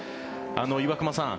岩隈さん